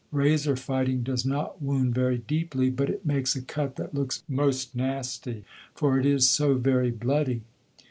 Razor fighting does not wound very deeply, but it makes a cut that looks most nasty, for it is so very bloody.